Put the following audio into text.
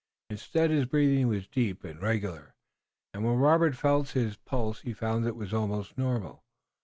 Instead his breathing was deep and regular, and when Robert felt his pulse he found it was almost normal.